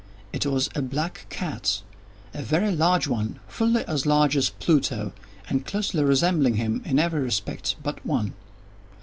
It was a black cat—a very large one—fully as large as Pluto, and closely resembling him in every respect but one.